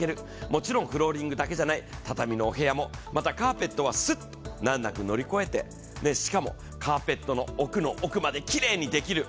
もちろんフローリングだけじゃないい、畳も、カーペットも乗り越えて、しかもカーペットの奥の奥まできれいにできる。